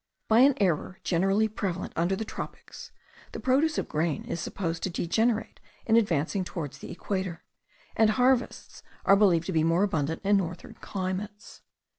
By an error generally prevalent under the tropics, the produce of grain is supposed to degenerate in advancing towards the equator, and harvests are believed to be more abundant in northern climates.